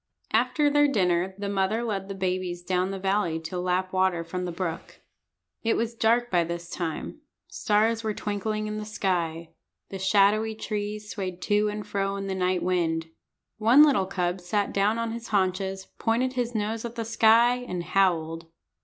After their dinner the mother led the babies down the valley to lap water from the brook. It was dark by this time. Stars were twinkling in the sky. The shadowy trees swayed to and fro in the night wind. One little cub sat down on his haunches, pointed his nose at the sky, and howled.